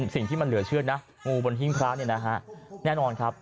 สิ่งที่มันเหลือเชื่อนะงูบนหิ้งพระเนี่ยนะฮะแน่นอนครับ